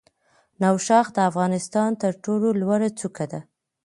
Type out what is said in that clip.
نوشاخ د افغانستان تر ټولو لوړه څوکه ده